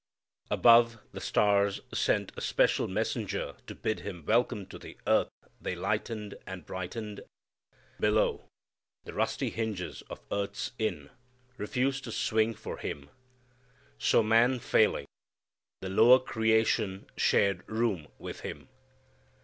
Above, the stars sent a special messenger to bid Him welcome to the earth they lightened and brightened. Below, the rusty hinges of earth's inn refused to swing for Him. So man failing, the lower creation shared room with Him.